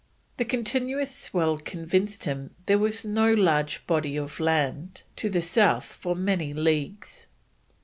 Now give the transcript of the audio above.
The continuous swell convinced him there was no large body of land to the south for many leagues.